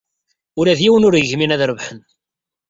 Ula d yiwen ur yegmin ad rebḥen.